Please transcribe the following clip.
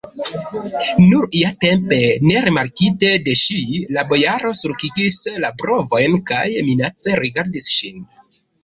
Nur iatempe, nerimarkite de ŝi, la bojaro sulkigis la brovojn kaj minace rigardis ŝin.